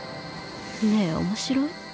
ねえ面白い？